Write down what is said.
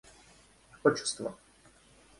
Отчество